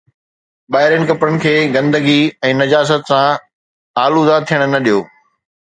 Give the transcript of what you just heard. ٻاهرين ڪپڙن کي گندگي ۽ نجاست سان آلوده ٿيڻ نه ڏيو